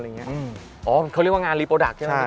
เขาเรียกว่างานรีโปรดักต์